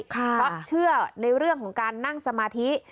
เพราะเชื่อในเรื่องของการนั่งสมาธิ